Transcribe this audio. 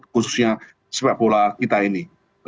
khususnya sepak bola kita ini